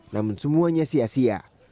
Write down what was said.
namun semuanya sia sia